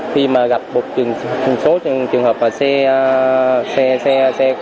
khi mà gặp một số trường hợp xe